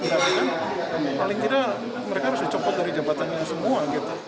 paling tidak mereka harus dicopot dari jabatannya semua